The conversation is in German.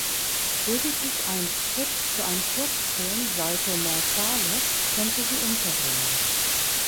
Lediglich ein Script für einen Kurzfilm "Salto Mortale" konnte sie unterbringen.